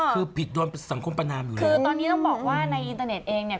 คือผิดโดนสังคมประนามอยู่เลยคือตอนนี้ต้องบอกว่าในอินเตอร์เน็ตเองเนี่ย